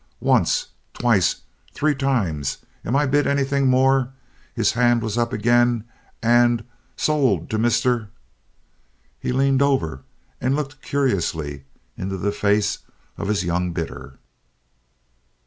Once, twice! Three times! Am I bid anything more?"—his hand was up again—"and sold to Mr.—?" He leaned over and looked curiously into the face of his young bidder.